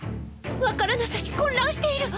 分からなさに混乱しているわ！